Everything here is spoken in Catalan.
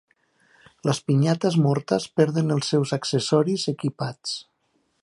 Les pinyates mortes perden els seus accessoris equipats.